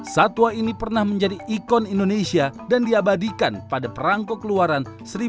satwa ini pernah menjadi ikon indonesia dan diabadikan pada perangku keluaran seribu sembilan ratus delapan puluh